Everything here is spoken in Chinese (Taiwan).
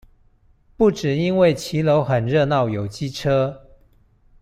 不只因為騎樓很熱鬧有機車